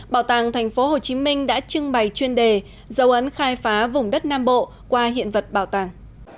bảo tàng tp hcm đã trưng bày chuyên đề dấu ấn khai phá vùng đất nam bộ qua hiện vật bảo tàng